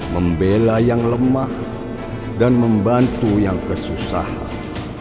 membela yang lemah dan membantu yang kesusahan